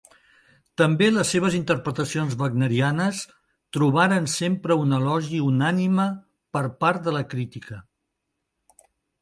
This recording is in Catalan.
També les seves interpretacions wagnerianes trobaren sempre un elogi unànime per part de la crítica.